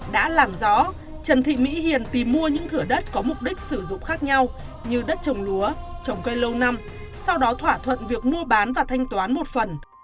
đã làm rõ trần thị mỹ hiền tìm mua những thửa đất có mục đích sử dụng khác nhau như đất trồng lúa trồng cây lâu năm sau đó thỏa thuận việc mua bán và thanh toán một phần